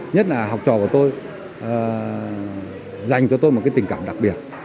nhất là học trò của tôi dành cho tôi một tình cảm đặc biệt